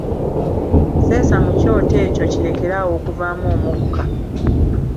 Seesa mu kyoto ekyo kirekere awo okuvaamu omukka.